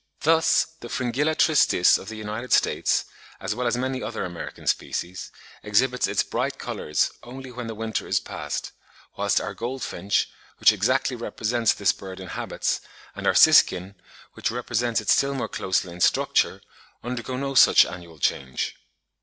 Thus the Fringilla tristis of the United States (as well as many other American species) exhibits its bright colours only when the winter is past, whilst our goldfinch, which exactly represents this bird in habits, and our siskin, which represents it still more closely in structure, undergo no such annual change.